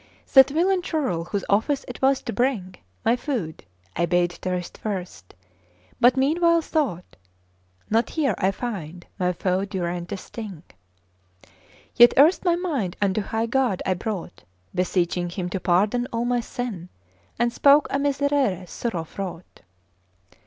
That villain churl whose office 'twas to bring My food, I bade taste first; but meanwhile thought: "Not here I find my foe Durante's sting!" Yet erst my mind unto high God I brought Beseeching Him to pardon all my sin, And spoke a Miserere sorrow fraught.